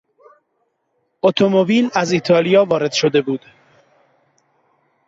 اتومبیل از ایتالیا وارد شده بود.